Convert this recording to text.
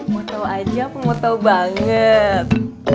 mau tau aja aku mau tau banget